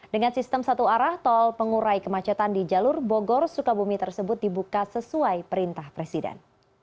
dengan sistem satu arah tol pengurai kemacetan di jalur bogor sukabumi tersebut dibuka sesuai perintah presiden